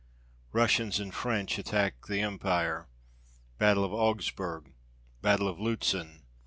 Russians and French attack the Empire. Battle of Augsburg. Battle of Lutzen.